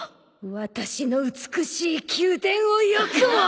私の美しい宮殿をよくも！